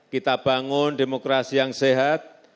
kita bangun demokrasi yang sehat